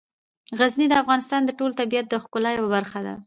غزني د افغانستان د ټول طبیعت د ښکلا یوه برخه ده.